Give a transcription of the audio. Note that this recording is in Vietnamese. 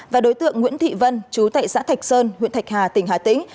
và đối tượng nguyễn thị vân chú tệ xã thạch sơn huyện thạch hà tỉnh hà tĩnh